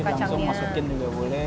langsung masukin juga boleh